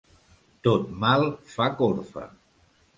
Tot mal fa corfa.